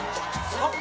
あっ！